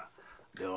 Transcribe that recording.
では